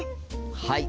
はい！